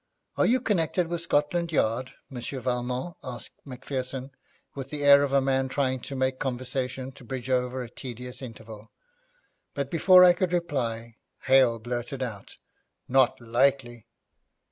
'Are you connected with Scotland Yard, Monsieur Valmont?' asked Macpherson, with the air of a man trying to make conversation to bridge over a tedious interval; but before I could reply, Hale blurted out, 'Not likely!'